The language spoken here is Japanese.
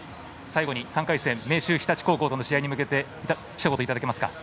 最後に、３回戦の明秀日立高校との試合に向けてひと言、いただけますか。